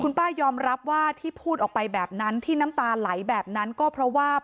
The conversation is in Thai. ป้ายอมรับว่าที่พูดออกไปแบบนั้นที่น้ำตาไหลแบบนั้นก็เพราะว่า